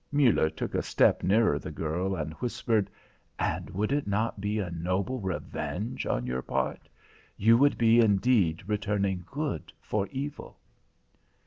Muller took a step nearer the girl and whispered: "And would it not be a noble revenge on your part? You would be indeed returning good for evil."